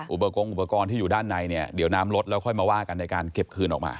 อุปกรณ์อุปกรณ์ที่อยู่ด้านในเนี่ยเดี๋ยวน้ำลดแล้วค่อยมาว่ากันในการเก็บคืนออกมา